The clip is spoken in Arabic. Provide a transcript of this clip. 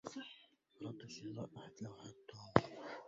أردت شراء إحدى لوحات توم.